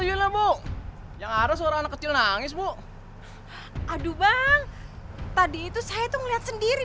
hai mana tuh ibu yang ada seorang kecil nangis bu aduh bang tadi itu saya tuh ngeliat sendiri